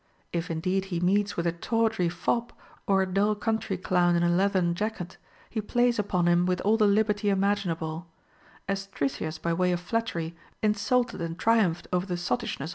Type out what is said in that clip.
If indeed he meets with a tawdry fop, or a dull country clown in a leathern jacket, he plays upon him with all the liberty imaginable ; as Struthias by way of flattery insulted and triumphed over the sottishness FROM A FRIEND.